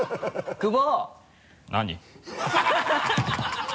久保！